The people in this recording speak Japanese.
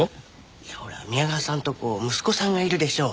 いやほら宮川さんとこ息子さんがいるでしょ。